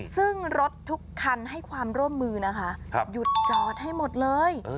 ซึ่งรถทุกคันให้ความร่วมมือนะคะหยุดจอดให้หมดเลย